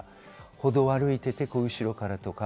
歩道を歩いていて、後ろからとか。